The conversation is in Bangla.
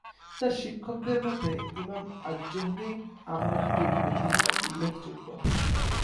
তাঁর শিক্ষকদের মধ্যে ইমাম আয-যুহরি, আমর ইবনে দিনার উল্লেখযোগ্য।